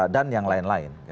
dan yang lain lain